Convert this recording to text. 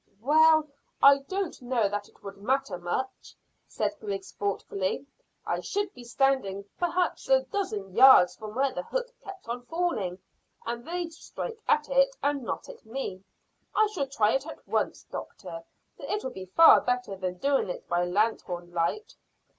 "Well I don't know that it would matter much," said Griggs thoughtfully. "I should be standing perhaps a dozen yards from where the hook kept on falling, and they'd strike at it and not at me. I shall try it at once, doctor, for it'll be far better than doing it by lanthorn light."